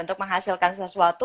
untuk menghasilkan sesuatu